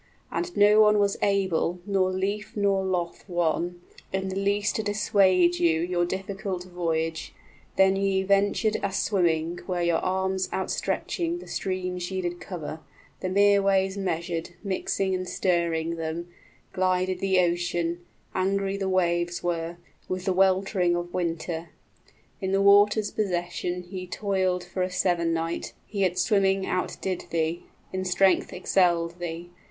And no one was able Nor lief nor loth one, in the least to dissuade you Your difficult voyage; then ye ventured a swimming, 15 Where your arms outstretching the streams ye did cover, The mere ways measured, mixing and stirring them, Glided the ocean; angry the waves were, With the weltering of winter. In the water's possession, Ye toiled for a seven night; he at swimming outdid thee, 20 In strength excelled thee.